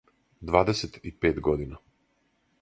Двадесет и пет година.